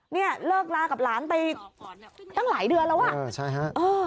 เนี่ยเลิกลากับหลานไปตั้งหลายเดือนแล้วอ่ะใช่ฮะเออ